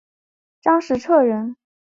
张时彻人。